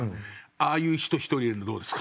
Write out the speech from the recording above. ああいう人１人入れるのどうですか？